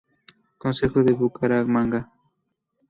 Consejo de Bucaramanga